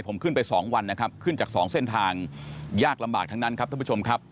ผมขึ้นไป๒วันนะครับขึ้นจาก๒เส้นทางยากลำบากทั้งนั้นครับท่านผู้ชมครับ